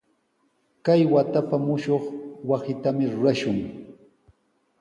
Kay wataqa mushuq wasitami rurashun.